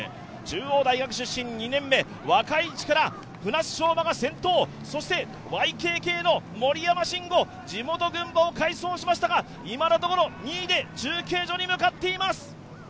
中央大学出身２年目、若い力舟津彰馬が先頭、そしてＹＫＫの森山真伍、地元・群馬を快走しましたが、今のところ２位で中継所に向かっています。